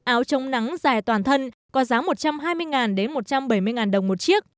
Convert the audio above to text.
áo chống nắng dài toàn thân có giá một trăm hai mươi đến một trăm bảy mươi đồng một chiếc